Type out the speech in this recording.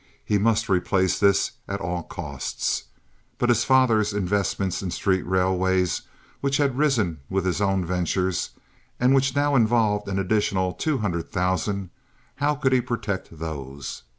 He must replace this at all costs. But his father's investments in street railways, which had risen with his own ventures, and which now involved an additional two hundred thousand—how could he protect those?